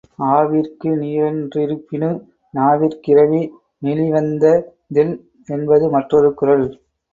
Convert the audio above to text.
ஆவிற்கு நீரென் றிரப்பினு நாவிற் கிரவி னிழிவந்த தில் என்பது மற்றொரு குறள்.